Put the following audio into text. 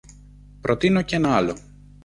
Προτείνω κι ένα άλλο.